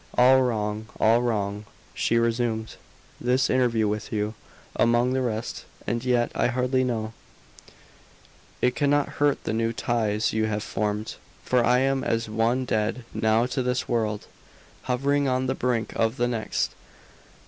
"All wrong, all wrong," she resumed; "this interview with you, among the rest. And yet I hardly know; it cannot hurt the new ties you have formed, for I am as one dead now to this world, hovering on the brink of the next.